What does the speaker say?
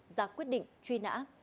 giả quyết định truy nã